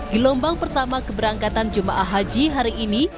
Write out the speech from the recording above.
gelombang pertama keberangkatan jemaah haji hari ini